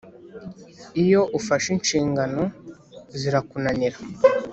iyo ufashe inshingano zirakunanira,